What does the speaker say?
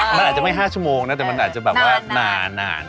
มันอาจจะไม่๕ชั่วโมงนะแต่มันอาจจะแบบว่านาน